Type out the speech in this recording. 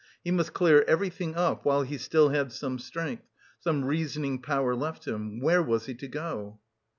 He must clear everything up while he still had some strength, some reasoning power left him.... Where was he to go?